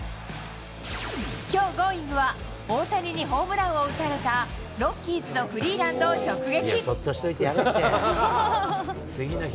きょう、Ｇｏｉｎｇ！は大谷にホームランを打たれた、ロッキーズのフリーランドを直撃。